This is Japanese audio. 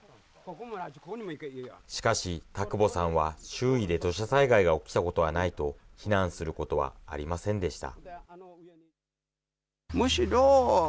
しかし、田窪さんは周囲で土砂災害が起きたことはないと避難することはありませんでした。